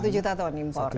satu juta ton impor ya